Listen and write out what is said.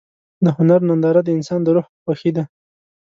د هنر ننداره د انسان د روح خوښي ده.